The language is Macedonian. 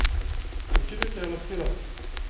Прочитајте ја лектирата.